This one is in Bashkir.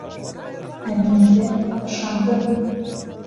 Ә мин, иҫәр, ышандым!